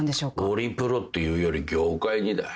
オリプロっていうより業界にだ。